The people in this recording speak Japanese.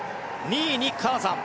２位にカーザン。